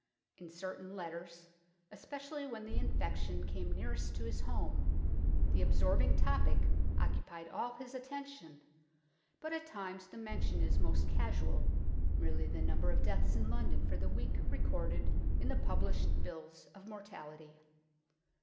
In certain letters, especially when the infection came nearest to his home, the absorbing topic occupied all his attention, but at times the mention is most casual, merely the number of deaths in London for the week recorded in the published bills of mortality.